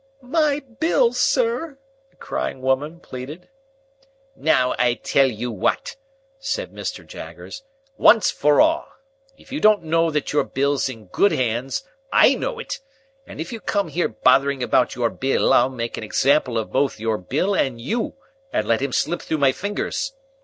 "My Bill, sir!" the crying woman pleaded. "Now, I tell you what!" said Mr. Jaggers. "Once for all. If you don't know that your Bill's in good hands, I know it. And if you come here bothering about your Bill, I'll make an example of both your Bill and you, and let him slip through my fingers.